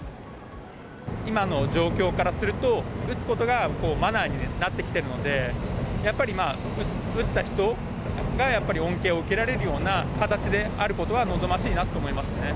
今の状況からすると、打つことがマナーになってきてるので、やっぱり打った人が恩恵を受けられるような形であることは望ましいなと思いますね。